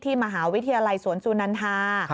มหาวิทยาลัยสวนสุนันทา